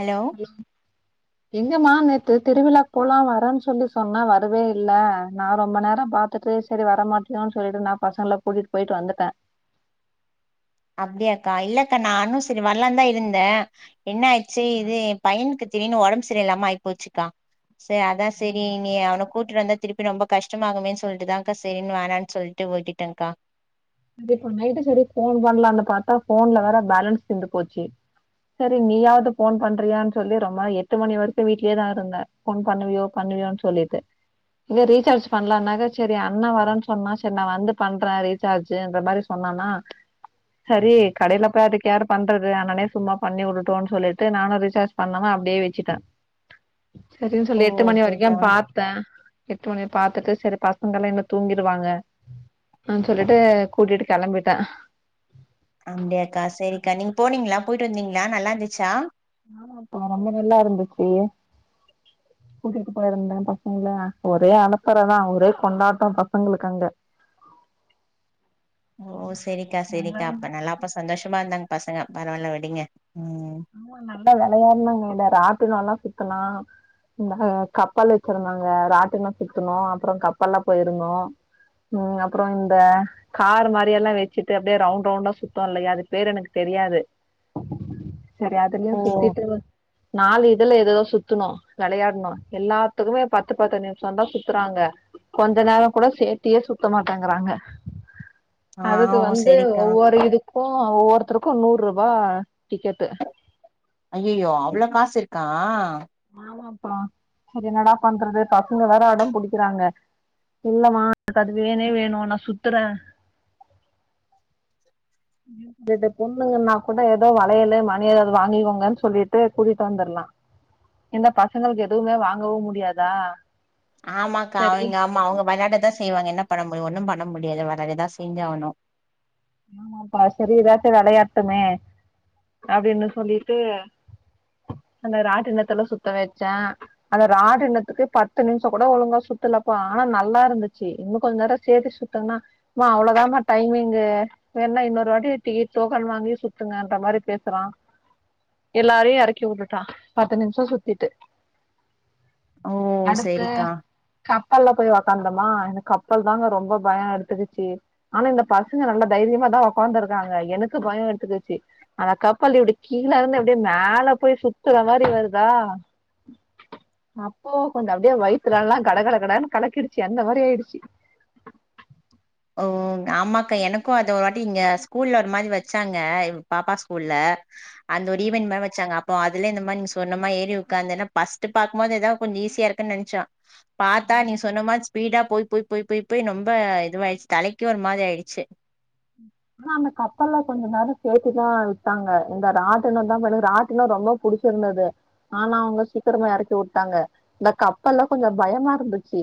hello hello எங்கமா நேத்து திருவிழா போலா வரேன் சொல்லி சொன்ன வரவே இல்ல நா ரொம்ப நேரொ பாத் பத்துட்டு சரி வர மாட்டியோன்னு சொல்லிட்டு நா பசங்கள கூட்டிட்டு போயிட்டு வந்துட்டே அப்டியாக்கா இல்லக்கா நானு சரி வரலான்தா இருந்தே என்ன ஆயிச்சு இது எ பையனுக்கு திடீர்னு ஒடம்பு சரியில்லாம ஆயி போச்சுக்கா சே அதா சரி நீ அவன கூட்டிட்டு வந்தா திரு ப்பி ரொம்ப கஷ்டமாகுமேன்னு சொல்ட்டுதாக்கா சரினு வேணான்னு சொல்ட்டு விட்டுட்டேன்கா அ இப்ப நைட்டு செரி ஃபோன் பண்லான்னு பாத்தா ஃபோன்ல வேற பேலன்ஸ் தீந்து போச்சு சரி நீயாது ஃபோன் பண்றியான்னு சொல்லி ரொம்ப எட்டு மணி வரக்கோ வீ்ட்லயேதா இருந்தே ஃபோன் பண்ணுவியோ பண்ணுவியோன்னு சொல்லிட்டு இதா ரீசார்ஜ் பண்ணலானாக்கா சரி அண்ணா வரேன்னு சொன்னா சரி நா வந்து பண்றே ரீசார்ஜ் ஜீன்ற மாரி சொன்னானா சரி கடைல போய் அதுக்கு யாரு பண்றது அண்ணனே சும்மா பண்ணி உடுட்டூனு சொல்லிட்டு நானு ரீசார்ஜ் பண்ணாம அப்டியே வச்சுட்டே சரின்னு ஓ சொல்லி எட்டு மணி வரைக்கு ஓகேக்கா பாத் தே எட்டு மணி பாத்துட்டு செரி பசங்களா இன்மே தூங்கிடுவாங்க அ சொல்லிட்டு கூட்டிட்டு கெளம்பிட்டே அப்டியாக்கா செரிக்கா நீங்க போனீங்ளா போயிட்டு வந்தீங்களா நல்லார்ந்துச்சா ஆமாப்பா ரொம்ப நல்லா இருந்துச்சு கூட்டிட்டு போயிருந்தே பசங்கள ஒரே அலப்பறதா ஒரே கொண்டாட்டொ பசங்களுக்கு அங்க ஓ செரிக்கா நல்லா செரிக்கா அப்ப நல்லாப்ப சந்தோஷமா இருந்தாங்க பசங்க பரவால்ல விடுங்க ம் ஆமா நல்லா வெளையாடுனாங்க ராட்னாலா சுத்துனா இந்த கப்பல் வச்சிருந்தாங்க ராட்டினோ சுத்துனோ அப்றொ கப்பல்ல போயிர்ந்தோ ம் அப்பறொ இந்த கார் மாரியல்லா வச்சிட்டு அப்டியே ரவுண்ட் ரவுண்டா சுத்து இல்லயா அது பேரு எனக்கு தெரியாது சரி அதுல்யு ஓ சுத்திட்டு நாலு இதுல ஏதோ சுத்துனு வெளையாட்னு எல்லாத்துக்குமே பத்து பத்து நிம்ஷந்தா சுத்துறாங்க கொஞ்ச நேர கூட சேத்தியே சுத்த மாட்டேங்கறாங்க ஆ அதுக்கு ஓ வந்து சரிக்கா ஒவ்வொரு இதுக்கு ஒவ்வொருத்தருக்கு நூற் ருபா டிக்கெட்டு அய்யயோ அவ்ளோ காஸ் இருக்கா ஆமாப்பா சரி என்னாடா பண்றது பசங்க வேற அடம் புடிக்கிறாங்க இல்லமா எனக் அது வேணே வேணு நா சுத்துற தத பொண்ணுங்கன்னா கூட ஏதோ வளையலு மணி ஏதாவ்து வாங்கிக்கோங்கன் சொல்லிட்டு கூட்டிட் வந்துர்லா இந்த பசங்கள்க் எதுமே வாங்கவு முடியாதா ஆமாக்கா சரி அவிங் ஆமா அவுங்க வெளாடதா செய்வாங்க என்ன பண்ண முயு ஒண்ணு பண்ண முடியாது வெடாதேதா செஞ்ச் ஆனு ஆமாப்பா சரி எதாச்சு வெளையாட்டுமே அப்டின்னு சொல்லிட்டு அந்த ராட்டனத்தல சுத்த வச்சே அத ராடினத்துக்கு பத்து நிம்ஷோ கூட ஒழுங்கா சுத்துலப்பா ஆனா நல்லா இருந்துச்சி இன்னு கொஞ்ச நேரஸ் சேத்து சுத்துன்னா மா அவ்ளதாம்மா டைமிங்கு வேணா இன்னொரு வாட்டி டீ டோக்கன் வாங்கி சுத்துங்கன்ற மாரி பேசுறா எல்லாரையு எறக்கி வுட்டுட்டா பத்து நிம்ஷோ சுத்திட்டு ஓ அடுத்து செரிக்கா கப்பல்ல போய் ஒக்காந்தோமா கப்பல் தாங்க ரொம்ப பயொ எடுத்துக்கிச்சு ஆனா இந்த பசங்க நல்லவ் தைரியமா தா ஒக்காந்துருந்தாங்க எனக்கு பயொ எடுத்துக்கிச்சி அந்த கப்பல் இப்டி கீழருந்து அப்டியே மேல போய் சுத்துற மாரி வருதா அப்போ கொஞ்ச் அப்டியே வயித்தலல்லா கட கட கடன் கலக்கிடுச்சி அந்த மாரி ஆய்டுச்சி ஓன் ஆமாக்கா எனக்கு அது ஒரு வாட்டி இங்கஸ் கூல்லர் மாரி வச்சாங்க இவ் பாப்பா ஸ்கூல்ல அந்த ஒரு ஈவென் மார் வெச்சாங்கப் போ அதுலே இந்த மான் நீ சொன்னமா ஏறி உக்காந்தேனா பஸ்ட்டு பாக்குமோது எதொ கொஞ்ச் ஈஸியா இருக்குன் நென்ச்சோ பாத்தா நீ சொன்ன மாத் ஸ்பீடா போய் போய் போய் போய் போய் ரொம்ப இதுவாய்ச் தலைக்கே ஒரு மாதி ஆய்டுச்சு ஆனா அந்த கப்பல்ல கொஞ்ச நேரு சேத்திதா விட்டாங்க இந்த ராட்டனு தா பலு ராட்டினு ரொம்பவ் புடிச்சிர்ந்தது ஆனா அவ்ங்க சீக்கிரமா எறக்கி வுட்டாங்க ந்த கப்பல்லா கொஞ்சொ பயமா இருந்துச்சி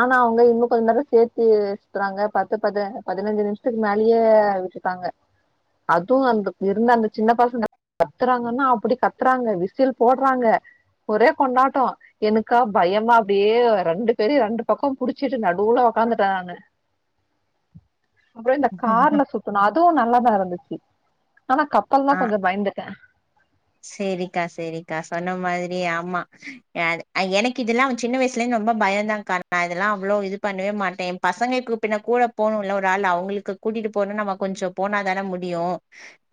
ஆனா அவுங்க இன்னு கொஞ்ச நேரு சேத்தி சுத்றாங்க பத்து பதெ பதினஞ்சு நிம்ஷத்துக்கு மேலியே கை வச்சுட்டாங்க அது அந்த இருந்த அந்த சின்ன பசங்க கத்துறாங்கன்னா அப்படி கத்துறாங்க விசில் போட்றாங்க ஒரே கொண்டாட்டோ எனக்கா பயமா அப்டியே ரெண்டு பேரயு ரெண்டு பக்கோ புடிச்சிட்டு நடுவ்ல ஒக்காந்துட்டே நானு அப்றோ இந்த கார்ல சுத்தணோ அதூ நல்லதா இருந்துச்சி ஆனா கப்பல்லா கொஞ்சு பயந்தே த செரிக்கா செரிக்கா சொன்ன மாத்ரியே ஆமா ஏனு அ எனக் இதெல்லாவ் சின்ன வய்சுலே ரொம்ப பயன்தாங் கன் கா இதெல்லா அவ்ளோ இது பண்ணவே மாட்டே பசங்கெக்கு பின்ன கூல போனுல்ல ஒரு ஆள் அவ்ங்ளுக்கு கூட்டிட்டு போனு நம்ம கொஞ்சு போனா தானே முடியு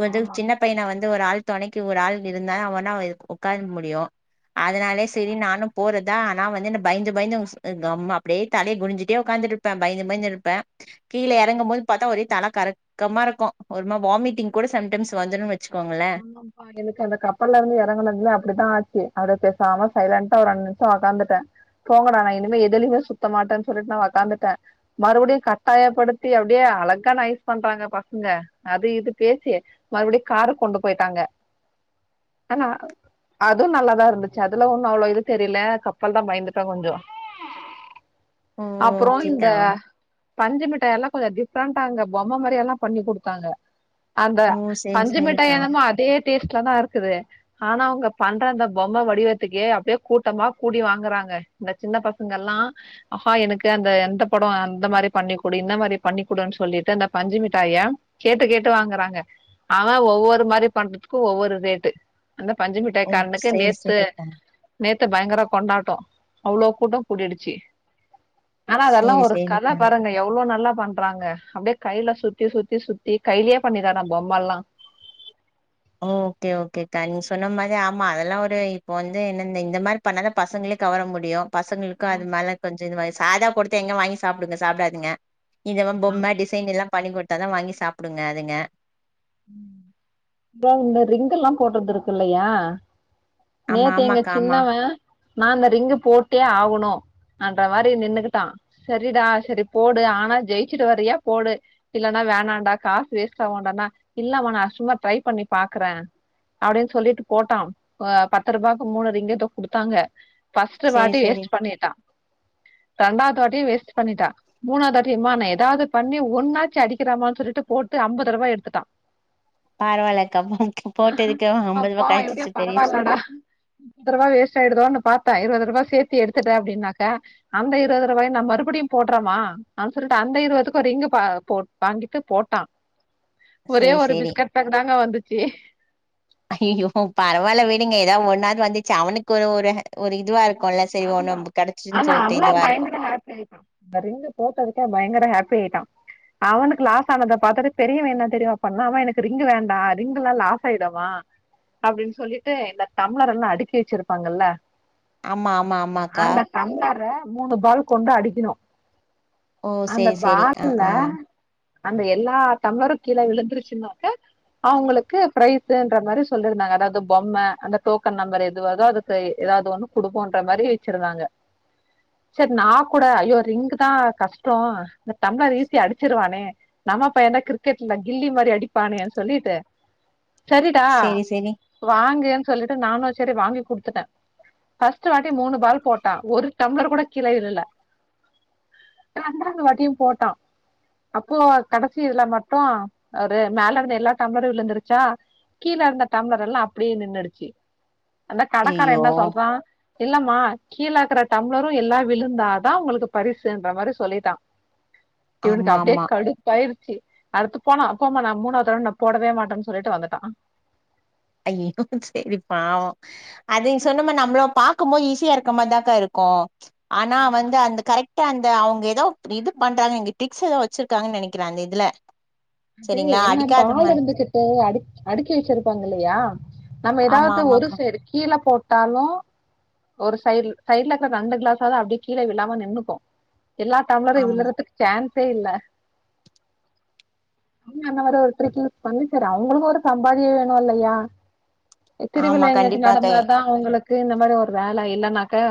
ஒர்துல் ஆமா சின்ன பைய்ன வந்து ஒரு ஆள் தொணைக்கி ஒரு ஆள் இருந்தே அவனாய்ள் உக்கார முடியு அதனாலே சரி நானு போறத்தா ஆனா வந்து இந்த பயந்து பயந்து உஸ்ரு எங்கம்மா அப்புடே தலே குனிஞ்சுட்டே உக்காந்துருப்பே பய்ந்து பய்ந்துருப்பே கீழ யறங்கும் போது பாத்தா ஒரே தல கரக் கமாருக்கு ஒருமா வாமிட்டிங் கூட சம்டம்ஸ் வந்துரு வச்சுக்கோங்களே நம்ப்பாய் எனக்கு அந்த கப்பல்லருந்து யறங்குனத்மே அப்படிதா ஆச்சி அத பேசாம சைலண்டா ஒரு ரெண் நிம்ஸோ வக்காந்துட்டே போங்கடா நா இனிமே எதுலயுமே சுத்த மாட்டேன்னு சொல்லிட்டு நா உக்காந்துட்டே மறுபடியு கட்டாயப்படுத்தி அப்டியே அழகா நைஸ் பண்றாங்க பசங்க அது இது பேசி மறுபடியு காருக் கொண்டு போயிட்டாங்க ஆனா அது நல்லாதா இருந்துச்சு அதுல ஒண்ணு அவ்ளோ இது தெரில கப்பல் தா பயந்துட்ட கொஞ்சோ ஓ அப்றோ இந்த ஓகேக்கா பஞ்சு மிட்டாய் எல்லா கொஞ்சோ டிஃப்ரெண்டா அங்க பொம்ம மாரி எல்லா பண்ணி குடுத்தாங்க அந்த ஓ சேரி பஞ்சு மிட்டாய் சேரிக்கா என்னமோ அதே டேஸ்ட்ல தா இருக்குது ஆனா அவங்க பண்ற அந்த பொம்ம வடிவத்துக்கு அப்டியே கூட்டமா கூடி வாங்குறாங்க இந்த சின்ன பசங்க எல்லா ஆஹா எனக்கு அந்த எந்த படோ அந்த மாரி பண்ணிக்குடு இந்த மாரி பண்ணிக்குடுன்னு சொல்லிட்டு அந்த பஞ்சு மிட்டாய கேட்டு கேட்டு வாங்கறாங்க அவ ஒவ்வொரு மாறி பண்றதுக்கு ஒவ்வொரு ரேட்டு அந்த பஞ்சு மிட்டாய் ஓ காரனுக்கு சேரி நேத்து சேரிக்கா நேத்து பயங்கர கொண்டாட்டோ அவ்ளோ கூட்டோ கூடிடுச்சு ஆனா அதெல்லா சேரி ஒரு கல சேரிக்கா பாருங்க எவ்ளோ நல்லா பண்றாங்க அப்டியே கையில சுத்தி சுத்தி சுத்தி கையிலேயே பண்ணிறாரா பொம்ம எல்லா ஓ ஓகே ஓகே அக்கா நீ சொன்ன மாறி ஆமா அதெல்லா ஒரு இப்ப வந்து என்ன இந்த இந்த மாறி பண்ணாதா பசங்களே கவர முடியு பசங்களுக்கு அது மேல கொஞ்சோ இது வாங்க சாதா குடுத்தா எங்க வாங்கி சாப்பிடுங்க சாப்பிடாதங்க இதெல்லா பொம்ம டிசைன் எல்லா பண்ணி குடுத்தா வாங்கி சாப்பிடுங்க அதுங்க ம் இந்த ரிங்க் எல்லா போட்றது இருக்கு இல்லயா ஆமா நேத்து எங்க ஆமாக்கா ஆமா சின்னவே நா இந்த ரிங்கு போட்டே ஆகணு ன்ற மாரி நின்னுகிட்டா செரிடா செரி போடு ஆனா ஜெயிச்சுட்டு வரியா போடு இல்லனா வேணாடா காசு வேஸ்ட் ஆகுன்டானா இல்லம்மா நா சும்மா ட்ரை பண்ணி பாக்குறே அப்டின்னு சொல்லிட்டு போட்டா பத்து ரூபாய்க்கு மூணு ரிங்கோ ஏதோ குடுத்தாங்க ஃபஸ்ட்டு சேரி வாட்டி சேரி வேஸ்ட் பண்ணிட்டா ரெண்டாவது வாட்டி வேஸ்ட் பண்ணிட்டா மூணாவது தாட்டி அம்மா ஏதாவது பண்ணி ஒண்ணாச்சு அடிக்கிறானான்னு சொல்லி போட்டு ஐம்பது ரூபா எடுத்துட்டா பாரவாயில்லக்கா போட்டதுக்கு ஐம்பது ரூபா கேடச்சுருச்சு பெரிய விஷயம் முப்பது ரூபா வேஸ்ட் ஆடுதோன்னு பாத்தா இருபது ரூபா சேத்தி எடுத்துட்டே அப்டின்னாக்க அந்த இருபது ரூபாய நா மறுபடியு போட்றம்மா அப்டின்னு சொல்லிட்டு அந்த இருபதுக்கு ஒரு ரிங் போ வாங்கிட்டு போட்டா ஒரே சேரி ஒரு சேரி பிஸ்கட் பேக்கு தாங்க வந்துச்சு ஐய்யய்யோ பரவால்ல விடுங்க ஏதாவது ஒன்னாது வந்துச்சு அவனுக்கு ஒரு ஒரு இதுவாருக் குல்ல செரி ஒன்னு கெடச்சுன்ட்டு சொல்ட்டு இதுவாருக்கு ஆ செரிக்கா அந்த ரிங்க போட்டதுக்கே பயங்கர ஹாப்பி ஆயிட்டா அவனுக்கு லாஸ் ஆனத பாத்தட்டு பெரியவ என்ன தெரியுமா பண்ணுனா எனக்கு ரிங் வேண்டா ரிங்க் எல்லா லாஸ் ஆயிடுமா அப்டின்னு சொல்லிட்டு இந்த டம்ளர் எல்லா அடுக்கி வெச்சிருப்பாங்கல்ல ஆமா ஆமா ஆ அந்த டம்ளர மூணு பால் கொண்டு அடிக்கணு ஓ அந்த சரி சரி ஆ பால்ல ஆ அந்த எல்லா டம்ளரு கீழ விழுந்துருச்சுனாக்க அவுங்களுக்கு ஃப்ரைசுன்ற மாரி சொல்லிருந்தாங்க அதாவது பொம்ம அந்த டோக்கன் நம்பரு எது வருதோ அது எதாவது ஒண்ணு குடுப்போன்ற மாரி வெச்சிருந்தாங்க செரி நா கூட ஐயோ ரிங்கு தா கஷ்டோ இந்த டம்ளர் ஈசியா அடிச்சிருவானே நம்ம பைய தா கிரிக்கெட்டுல கில்லி மாரி அடிப்பானே சொல்லிட்டு செரிடா சரி சரி வாங்குன்னு சொல்லிட்டு நானு செரி வாங்கி குடுத்துட்டே ஃபர்ஸ்ட் வாட்டி மூணு பால் போட்டா ஒரு டம்ளர் கூட கீழ விழல ரெண்டாவது வாட்டியு போட்டா அப்போ கடைசி இதுல மட்டு ஒரு மேல இருந்த எல்லா டம்ளரு விழுந்துருச்சா கீழ இருந்த டம்ளர் எல்லா அப்புடியே நின்னுடுச்சி அந்த கடக்கார ஐயோ என்ன சொல்றா இல்லம்மா கீழக்கற டம்ளரு எல்லா விழுந்தாதா உங்களுக்கு பரிசுன்ற மாரி சொல்லிட்டா எனுக் ஆமா அப்டியே ஆமா கடுப் பாயிருச்சி அடுத்து போனோ போம்மா நா மூணாவது ரெளண்டு நா போடவே மாட்டேன் சொல்லிட்டு வந்துட்டா ஐயோ சேரி பாவோ அதையு சொன்ன மாரி நம்ளு பாக்கும் போது ஈஸியா இருக்க மார் தாக்கா இருக்கு ஆனா வந்து அந்த கரெக் ட அந்த அவுங்க ஏதா இது பண்றாங்க இங்க டிக்ஸ் ஏதோ வச்சிருக்காங்கன் நெனைக்கிற அந்த இதுல அது சரிங்களா என்ன அடிக்காத பால் மாரி இருந்துச்சி தோ அடுக் அடுக்கி வச்சிருப்பாங்க இல்லையா நம்ம ஆமா எதாவது ஒரு ஆமாக்கா சேரி கீழ போட்டாலு ஒரு சைடு சைட்லக்கற ரெண்டு கிளாஸாவது அப்டியே கீழ விழாம நின்னுக்கு எல்லா டம்ளரு ஆமா விழுறதுக்கு சான்ஸே இல்ல அவுங்க என்ன மாரி ஒரு ட்ரிக் யூஸ் பண்ணி செரி அவங்களுக்கு ஒரு சம்பாத்தியோ வேணு இல்லையா திருவிழா ஆமா எங்கயாச்சு கண்டிப்பாக்கா நடந்தா தா அவுங்களுக்கு இந்த மாரி ஒரு வேல இல்லன்னாக்க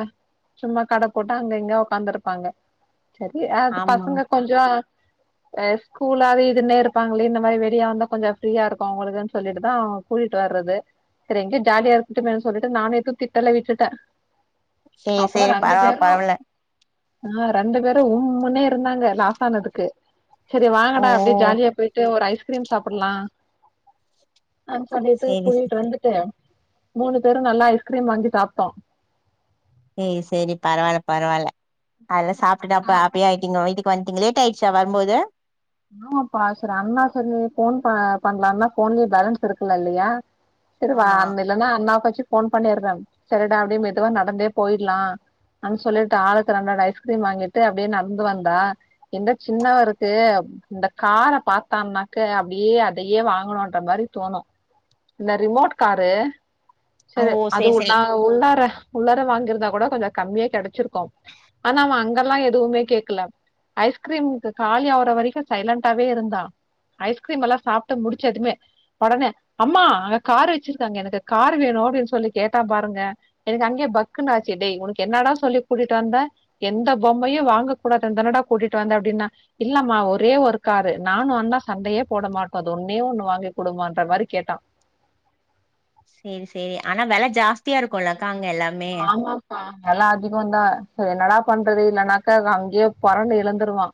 சும்மா கட போட்டு அங்க இங்க உக்காந்துருப்பாங்க செரி அது ஆமா பசங்க கொஞ்ச அ ஸ்கூலாவி இதுனே இருப்பாங்களே இந்த மாரி வெளிய வந்தா கொஞ்ச ஃப்ரீயா இருக்கு அவுங்களுக்குன் சொல்லிட்டு தா கூட்டிட் வர்றது செரி எங்க்யோ ஜாலியா இருக்கட்டு மேன்னு சொல்லிட்டு நானு எது திட்டல விட்டுட்ட சரி அப்புறோ சரி ரெண்டு பரவால்ல பேரு பரவால்ல ஆ ரெண்டு பேரு உண்முன்னே இருந்தாங்க லாஸ் ஆனதுக்கு செரி ஓ வாங்கடா அப்டி யே போயிட்டு ஒரு ஐஸ்கிரீம் சாப்புட்லா ஃப்ரெண்ட்ஸ் வந்துட்டு சேரி கூட்டிட் வந்துட்டு மூணு பேரு நல்லா ஐஸ்கிரீம் வாங்கி சாப்ட்டோ சேரி சேரி பரவால்ல பரவால்ல அதெல்லா சாப்ட்டுட்டு அப்ப ஆ ஹப்பியா எங்க வீட்டுக்கு வன்டீங்க லேட்டா ஆய்ட்ச்சா வரும்போது ஆமாப்பா செரி அண்ணா செரி ஃபோன் ப பண்லானா ஃபோன்லயே பேலன்ஸ் இருக்கலா இல்லையா செரி வா ஆமா அந்த இல்லனா அண்ணாக்காச்சு ஃபோன் பண்ணிர்ற செரிடா அப்டியே மெதுவா நடந்தே போய்ட்லா ஆ சொல்லிட்டு ஆளுக்கு ரெண்டு ரெண்டு ஐஸ்கிரீம் வாங்கிட்டு அப்டியே நடந்து வந்தா எந்த சின்னவருக்கு இந்த கார பாத்தான்னாக்க அப்டியே அதையே வாங்கனுன்ற மாரி தோனு இந்த ரிமோட் காரு ஓ செரி சேரி அதுவு சேரி நா உள்ளார உள்ளார வாங்கிருதா கூட கொஞ்சோ கம்மியா கெடச்சிருக்கு ஆனா அவ அங்கெல்லா எதுமே கேக்கல ஐஸ்கிரீம்க்கு காலி ஆவற வரைக்கு சைலன்டாவே இருந்தா ஐஸ்கிரீம் எல்லா சாப்ட்டு முடிச்சதுமே ஒடனே அம்மா அங்க கார் வெச்சிருக்காங்க எனக்கு கார் வேணு அப்டின் சொல்லி கேட்டா பாருங்க எனக்கு அங்கேயே பக்குன் ஆச்சி டேய் உனக்கு என்னடா சொல்லி கூட்டிட் வந்த எந்த பொம்மையு வாங்க கூடாதுன் தானடா கூட்டிட் வந்த அப்டினா இல்லம்மா ஒரு ஒரே ஒரு காரு நானு அண்ணா சண்டையே போட மாட்டோ அது ஒன்னே ஒன்னு வாங்கி் குடுமான்ற மாரி கேட்டா சேரி சேரி ஆனா வெல ஜாஸ்தியா இருக்குல்லக்கா அங்க எல்லாமே ஆமாப்பா வெல அதிகோ தா என்னடா பண்றது இல்லனாக்கா அங்கேயே பொறண்டு இழுந்துருவா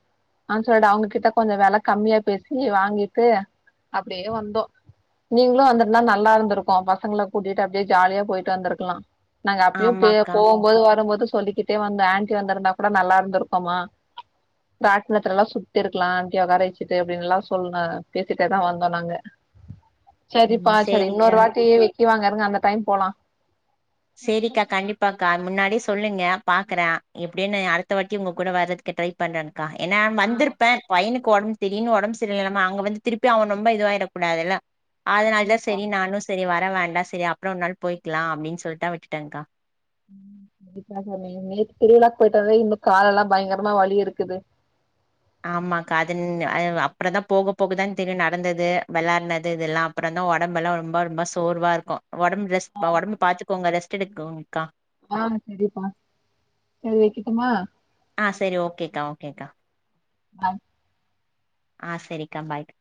ஆ சொல்டா அவுங்க கிட்ட கொஞ்சோ வெல கம்மியா பேசி வாங்கிட்டு அப்டியே வந்தோ நீங்களு வந்திருந்தா நல்லா இருந்திருக்கு பசங்கள கூட்டிட்டு அப்டியே ஜாலியா போய்ட்டு வந்திருக்கலா நாங்க அப்பயு பே ஆமாக்கா போம்போது வரும்போது சொல்லிக்கிட்டே வந்தோ அண்டி வந்திருந்தா கூட நல்லா இருந்திருக்குமா ராட்னத்துலல்லா சுத்தி இருக்கலா அண்டிய உக்கார வச்சிட்டு அப்டின்ல்லா சொல்ல பேசிட்டே தா வந்தோ நாங்க ம் சரிப்பா சரி சேரிக்கா இன்னொரு வாட்டி விக்கி வாங்கருங்க அந்த டைம் போலா சேரிக்கா கண்டிப்பாக்கா முன்னாடி சொல்லுங்க பாக்குற எப்டின்னு அடுத்த வாட்டி உங்க கூட வர்றதுக் ட்ரை பண்றன்க்கா ஏன்னா ஆ வந்துருப்ப பையனுக்கு ஓடம்பு திடின்னு ஒடம்பு சரியில்லாமா அங்க வந்து திருப்பி அவ ரொம்ப இதுவாயிடக் கூடாதுல்ல அதனால தா ஆமாப்பா சரி நானு சரி வர வேண்டா சரி அப்றோ ஒரு நாள் போய்கலா அப்டின்னு சொல்ட்டா விட்டுட்டங்க்கா கண்டிப்பா தோழி நேத் திருவிழாக்கு போய்ட்டு வந்ததே இன்னு கால் எல்லா பயங்கரமா வழி இருக்குது ஆமாக்கா அதுந் அ அப்புறந்தா போக போகதா தெரியு நடந்தது விளாடுனது இதெல்லா அப்புறந் தா ஓடம்பெல்லா ரொம்பா ரொம்பா சோர்வா இருக்கு ஓடம்பு ரெஸ்ட் ஓடம்பு பாத்துக்கோங்க ரெஸ்ட் எடுக்கோங்கக்கா ஆ சரிப்பா செரி வெக்கெட்டுமா ஆ சரி ஓகேக்கா ஓகேக்கா ஆ ஆ சரிக்கா பாய்க்கா